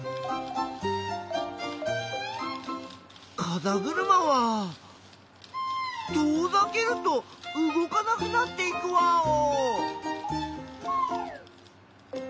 かざぐるまは遠ざけると動かなくなっていくワオ！